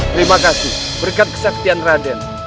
terima kasih berkat kesaktian raden